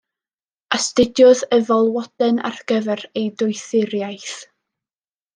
Astudiodd y falwoden ar gyfer ei doethuriaeth.